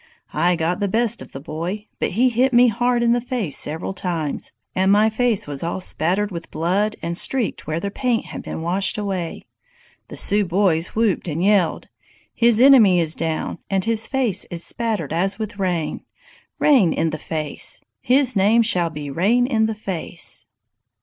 I got the best of the boy, but he hit me hard in the face several times, and my face was all spattered with blood and streaked where the paint had been washed away. The Sioux boys whooped and yelled: "'His enemy is down, and his face is spattered as if with rain! Rain in the Face! His name shall be Rain in the Face!